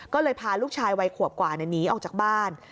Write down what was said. ก็เลยพาลูกชายวัยขวบกว่าหนีออกจากบ้าน